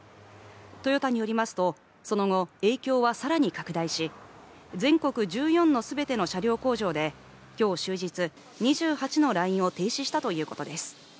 トヨタによりますと、その後、影響は更に拡大し全国１４の全ての車両工場で今日終日、２８のラインを停止したということです。